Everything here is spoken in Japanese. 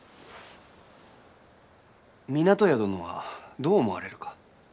湊屋殿はどう思われるか？